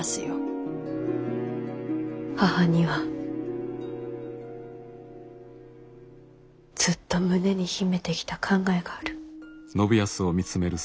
母にはずっと胸に秘めてきた考えがある。